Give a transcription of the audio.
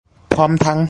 พร้อมทั้ง